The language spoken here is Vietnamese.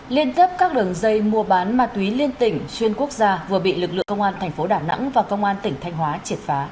liên cấp các đường dây mua bán ma túy liên tỉnh xuyên quốc gia vừa bị lực lượng công an thành phố đà nẵng và công an tỉnh thanh hóa triệt phá